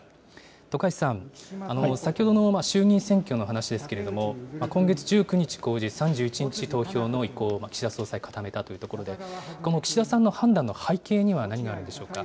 徳橋さん、先ほどの衆議院選挙の話ですけれども、今月１９日公示、３１日投票の意向を岸田総裁が固めたというところで、この岸田さんの判断の背景には何があるんでしょうか。